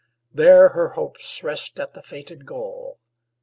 There her hopes Rest at the fated goal.